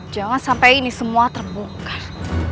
jangan sampai ini semua terbuka